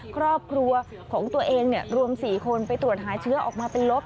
ครอบครัวของตัวเองรวม๔คนไปตรวจหาเชื้อออกมาเป็นลบ